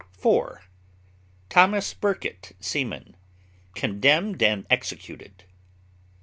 4. THOS. BURKITT, seaman } condemned and executed.